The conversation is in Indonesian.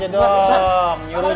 biasa aja dong